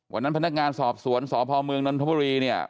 วันนั้นพนักงานสอบสวนสทรภามเมืองนทบุรีเนี่ย